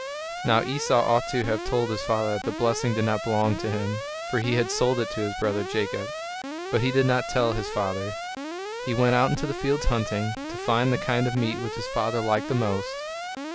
Now Esau ought to have told his father that the blessing did not belong to him, for he had sold it to his brother Jacob. But he did not tell his father. He went out into the fields hunting, to find the kind of meat which his father liked the most.